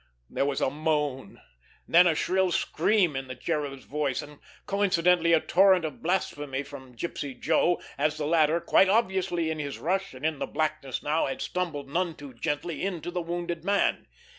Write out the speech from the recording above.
There was a moan, then a shrill scream in the Cherub's voice, and coincidentally a torrent of blasphemy from Gypsy Joe, as the latter, quite obviously, in his rush and in the blackness now, had stumbled none too gently into the wounded man.